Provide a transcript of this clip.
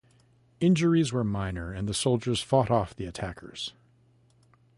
Injuries were minor and the soldiers fought off the attackers.